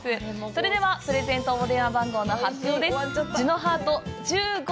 それでは、プレゼント応募電話番号の発表です。